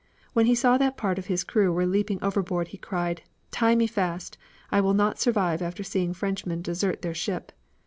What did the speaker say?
When he saw that part of his crew were leaping overboard he cried out 'Tie me fast. I will not survive after seeing Frenchmen desert their ship.'